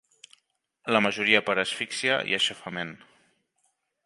La majoria per asfíxia i aixafament.